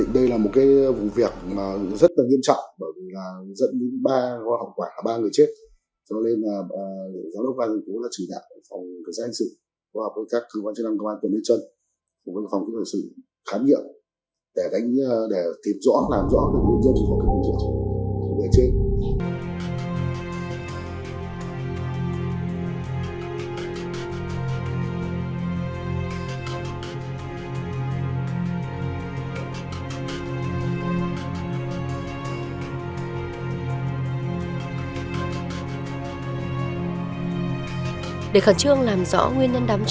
để khẳng trương làm rõ nguyên nhân đám cháy